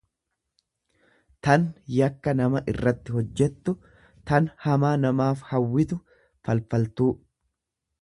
tan yakka nama irratti hojjettu, tan hamaa namaaf hawwitu, falfaltuu.